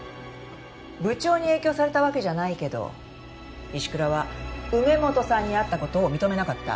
部長に影響されたわけじゃないけど石倉は梅本さんに会った事を認めなかった。